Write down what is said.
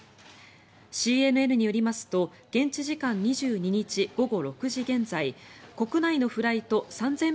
ＣＮＮによりますと現地時間２２日午後６時現在国内のフライト３０００